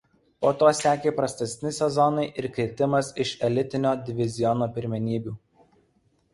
Po to sekė prastesni sezonai ir kirtimas iš elitinio diviziono pirmenybių.